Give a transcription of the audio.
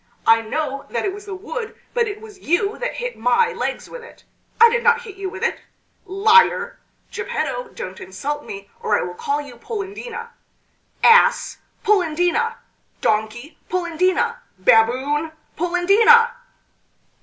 "I know that it was the wood, but it was you that hit my legs with it!" "I did not hit you with it!" "Liar!" "Geppetto, don't insult me or I will call you Polendina!" "Ass!" "Polendina!" "Donkey!" "Polendina!" "Baboon!" "Polendina!"